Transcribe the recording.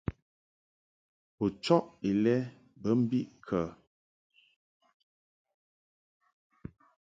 U chɔʼ ilɛ bə mbiʼ kə ?